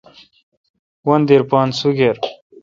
وندیر پان سگِر۔